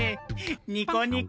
ニコニコ。